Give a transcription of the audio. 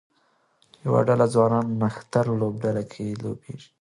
یوه ډله ځوانان نښتر لوبډله کې لوبیږي